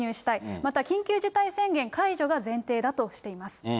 また緊急事態宣言解除が前提だとしています。